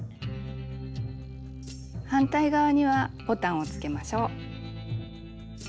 反対側にはボタンをつけましょう。